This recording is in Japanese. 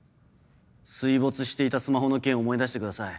水没していたスマホの件を思い出してください。